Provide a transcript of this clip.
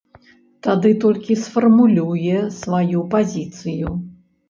Тады толькі сфармулюе сваю пазіцыю.